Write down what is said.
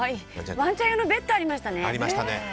ワンちゃん用のベッドもありましたしね。